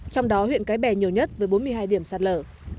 trong đó huyện cái bè nhiều nhất với bốn mươi hai điểm sạt lở